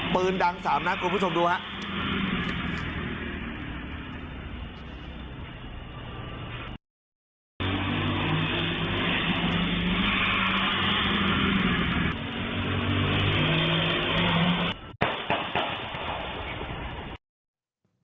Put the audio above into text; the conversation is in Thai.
ปืนดัง๓นัดคุณผู้ชมดูครับ